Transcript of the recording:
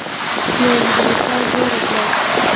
يوه مدرسه جوړه کړه